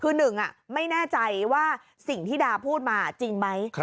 คือหนึ่งไม่แน่ใจว่าสิ่งที่ดาพูดมาจริงไหม